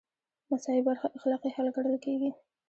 مساوي برخه اخلاقي حل ګڼل کیږي.